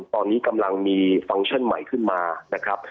ตอนนี้กำลังมีฟังก์ชั่นใหม่ขึ้นมานะครับ